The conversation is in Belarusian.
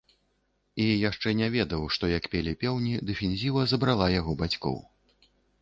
І яшчэ не ведаў, што, як пелі пеўні, дэфензіва забрала яго бацькоў.